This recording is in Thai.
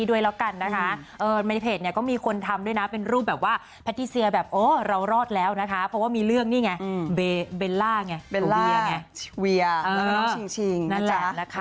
เวลาไงเวลาเวียแล้วก็น้องชิงนั่นแหละนะคะ